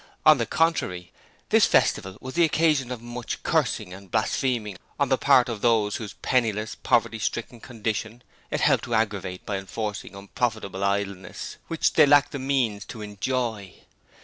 On the contrary, this festival was the occasion of much cursing and blaspheming on the part of those whose penniless, poverty stricken condition it helped to aggravate by enforcing unprofitable idleness which they lacked the means to enjoy.